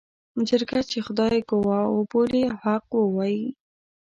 جرګه چې خدای ګواه وبولي او حق ووايي.